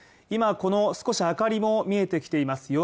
今少し明かりも見えてきています